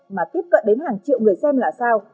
mà tiếp cận đến hàng triệu người xem là sao